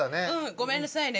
ごめんなさいね。